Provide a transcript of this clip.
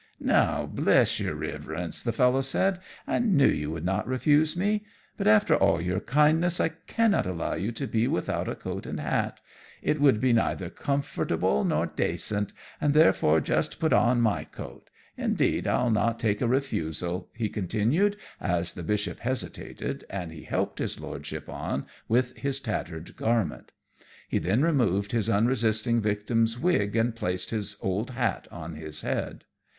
"Now, bless your Riverence," the fellow said, "I knew you would not refuse me; but after all your kindness I cannot allow you to be without a coat and hat. It would be neither comfortable nor dacent, and, therefore, just put on my coat. Indeed I'll not take a refusal," he continued, as the Bishop hesitated, and he helped his lordship on with his tattered garment. He then removed his unresisting victim's wig and placed his old hat on his head.